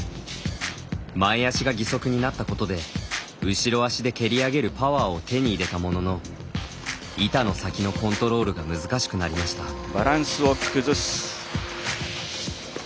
前足が義足になったことで後ろ足で蹴り上げるパワーを手に入れたものの板の先のコントロールが難しくなりました。